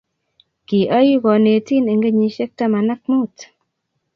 kioii konetin eng kenyishek taman ak mut